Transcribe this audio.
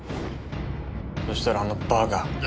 そしたらあのバカ。